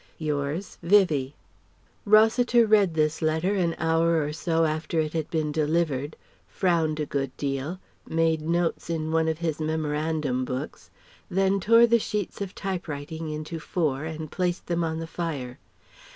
Yours, VIVIE. Rossiter read this letter an hour or so after it had been delivered, frowned a good deal, made notes in one of his memorandum books; then tore the sheets of typewriting into four and placed them on the fire.